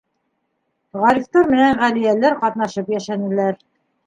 Ғарифтар менән Ғәлиәләр ҡатнашып йәшәнеләр.